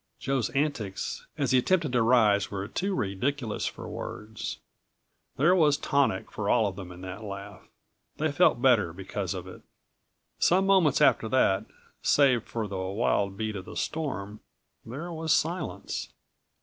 Joe's antics as he attempted to rise were too ridiculous for words.204 There was tonic for all of them in that laugh. They felt better because of it. Some moments after that, save for the wild beat of the storm, there was silence.